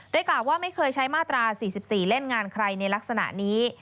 โดยกล่าวว่าไม่เคยใช้มาตรา๔๔เล่นงานใครในลักษณะนี้